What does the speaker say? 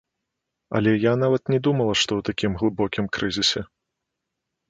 Але я нават не думала, што ў такім глыбокім крызісе.